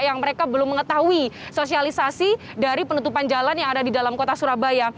yang mereka belum mengetahui sosialisasi dari penutupan jalan yang ada di dalam kota surabaya